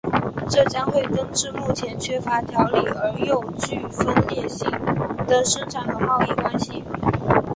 这将会根治目前缺乏条理而又具分裂性的生产和贸易关系。